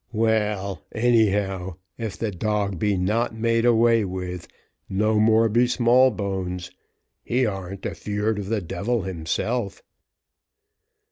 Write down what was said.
"Well, anyhow, if the dog be not made away with, no more be Smallbones. He ar'n't afeard of the devil himself."